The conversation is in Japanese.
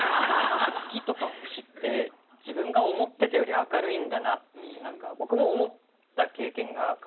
月とか星って自分が思ってたより明るいんだなって何か僕も思った経験が過去にあるんで。